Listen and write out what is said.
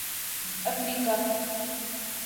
افریقہ